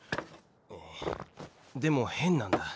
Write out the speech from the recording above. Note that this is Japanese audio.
でも変なんだ